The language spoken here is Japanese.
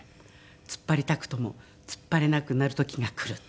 「突っ張りたくとも突っ張れなくなる時がくる」。